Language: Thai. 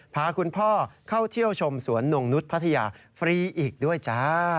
พาคุณพ่อเข้าเที่ยวชมสวนนงนุษย์พัทยาฟรีอีกด้วยจ้า